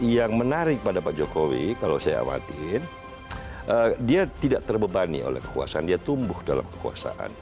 yang menarik pada pak jokowi kalau saya awatin dia tidak terbebani oleh kekuasaan dia tumbuh dalam kekuasaan